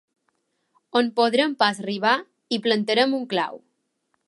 On podrem pas arribar, hi plantarem un clau.